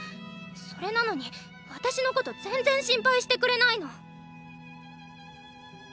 それなのに私のこと全然心配してくれないの。